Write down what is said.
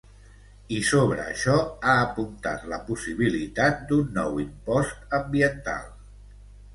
I sobre això ha apuntat la possibilitat d’un nou impost ambiental.